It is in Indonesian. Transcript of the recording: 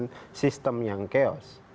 menciptakan sistem yang chaos